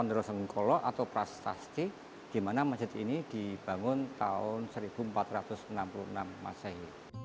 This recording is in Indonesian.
ini adalah penerosan ngkolo atau prastasti dimana masjid ini dibangun tahun seribu empat ratus enam puluh enam masehi